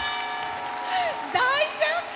大ジャンプ！